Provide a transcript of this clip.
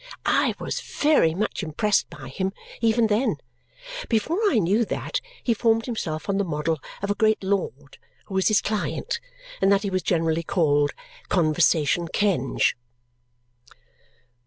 I was very much impressed by him even then, before I knew that he formed himself on the model of a great lord who was his client and that he was generally called Conversation Kenge.